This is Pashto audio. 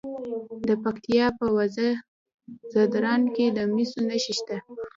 د پکتیا په وزه ځدراڼ کې د مسو نښې شته.